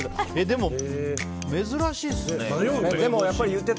でも、珍しいですね。